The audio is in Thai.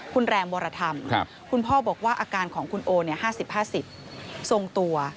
คุณแรมวรธรรมคุณพ่อบอกว่าอาการของคุณโอ๕๐๕๐ทรงตัว